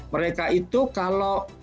mereka itu kalau